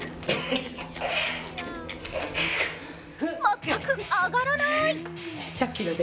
全く上がらない！